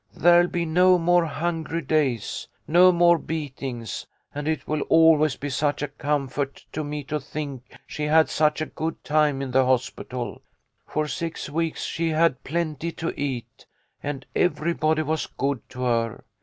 There'll be no more hungry days, no more beatings, and it will always be such a comfort to me to think she had such a good time in the hospital. For six weeks she had plenty to eat, and everybody was good to her.